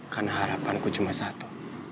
karena harapanku cuma satu